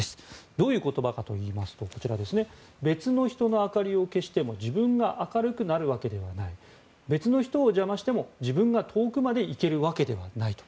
どういう言葉かといいますと別の人の明かりを消しても自分が明るくなるわけではない別の人を邪魔しても自分が遠くまで行けるわけではないと。